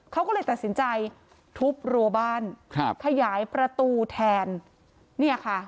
เขาก็เลยตัดสินใจทุบรัวบ้านครับขยายประตูแทนเนี่ยค่ะ